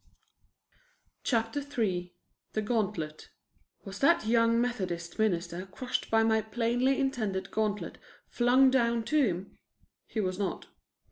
CHAPTER III THE GAUNTLET Was that young Methodist minister crushed by my plainly intended gauntlet flung down to him? He was not.